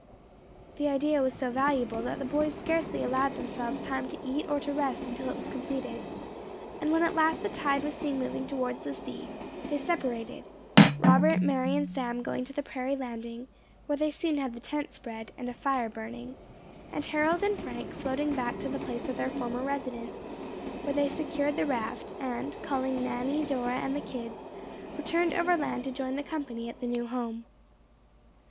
The idea was so valuable, that the boys scarcely allowed themselves time to eat or to rest until it was accomplished; and when at last the tide was seen moving towards the sea, they separated, Robert, Mary, and Sam going to the prairie landing, where they soon had the tent spread, and a fire burning; and Harold and Frank floating back to the place of their former residence, where they secured the raft, and calling Nanny, Dora, and the kids, returned overland to join the company at the new home.